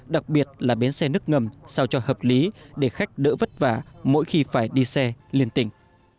đặc biệt là bến xe nước ngầm sao cho hợp lý để khách đỡ vất vả mỗi khi phải đi xe liên tỉnh